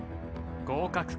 不合格か？